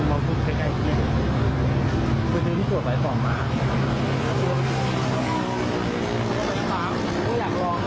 โอเคมั้ย